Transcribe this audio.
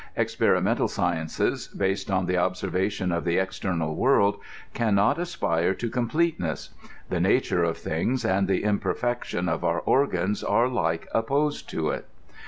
Experimental sciences, based on the observation of the external world, can not aspire to Completeness ; the nature of things, and the imperfection of bur organs, are alike opposed to it.